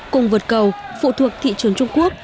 cùng vượt cầu phụ thuộc thị trường trung quốc